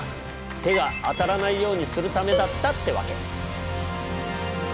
手が当たらないようにするためだったってわけ。